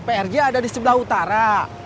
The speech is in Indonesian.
prj ada di sebelah utara